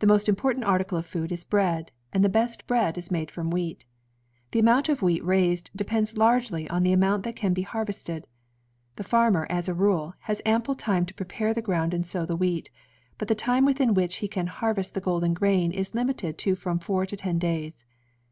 The most important article of food is bread, and the best bread is made from wheat. The amount of wheat raised depends largely on the amount that can be har vested. The farmer, as a rule, has ample time to prepare the ground and sow the wheat, but the time within which he can harvest the golden grain is limited to from four to ten days.